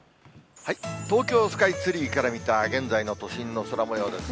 東京スカイツリーから見た現在の都心の空もようです。